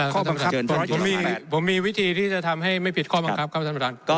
ข้อบังคับผมมีวิธีที่จะทำให้ไม่ผิดข้อบังคับครับท่านประธาน